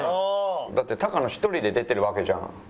だって高野１人で出てるわけじゃん。